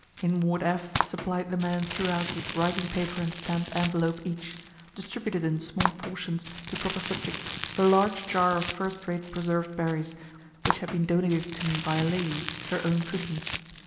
In ward F supplied the men throughout with writing paper and stamp'd envelope each; distributed in small portions, to proper subjects, a large jar of first rate preserv'd berries, which had been donated to me by a lady her own cooking.